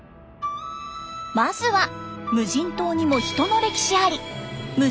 まずは無人島にも人の歴史あり。